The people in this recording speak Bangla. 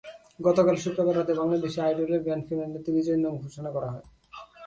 গতকাল শুক্রবার রাতে বাংলাদেশি আইডলের গ্র্যান্ড ফিনালেতে বিজয়ীর নাম ঘোষণা করা হয়।